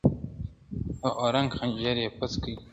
• د اورنګ خنجر يې پڅ کی -